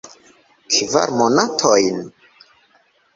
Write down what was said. Kvar monatojn?